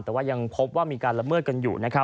แต่ว่ายังพบว่ามีการละเมิดกันอยู่นะครับ